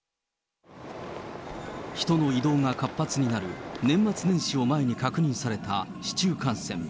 人の移動が活発になる年末年始を前に確認された市中感染。